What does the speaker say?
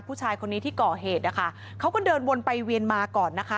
ผู้ชายคนนี้ที่ก่อเหตุนะคะเขาก็เดินวนไปเวียนมาก่อนนะคะ